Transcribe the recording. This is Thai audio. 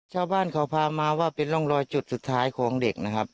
ชาวบ้านเขาพามาว่าเป็นร่องรอยจุดสุดท้ายของเด็กนะครับ